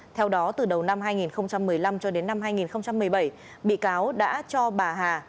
theo đó từ đầu năm hai nghìn một mươi năm cho đến năm hai nghìn một mươi bảy bị cáo đã cho bà hà